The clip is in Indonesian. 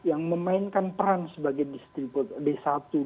yang memainkan peran sebagai distributor